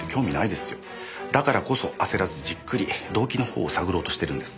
だからこそ焦らずじっくり動機の方を探ろうとしてるんです。